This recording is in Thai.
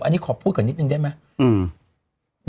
อันนี้ขอพูดก่อนนิดนึงได้ไหม